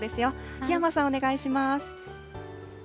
檜山さん、お願いします。